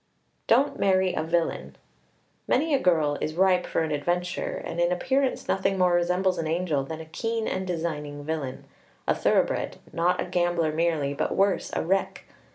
Don't marry a villain. Many a girl is ripe for an adventure, and in appearance nothing more resembles an angel than a keen and designing villain a thoroughbred; not a gambler merely, but worse, a wreck!